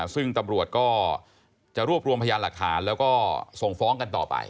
ซึ่งตำรวจก็จะรวบรวมพยานหลักฐานแล้วก็ส่งฟ้องกันต่อไป